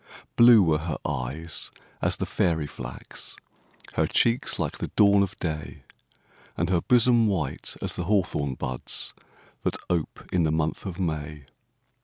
Blue were her eyes as the fairy flax, Her cheeks like the dawn of day, And her bosom white as the hawthorn buds, That ope in the month of May.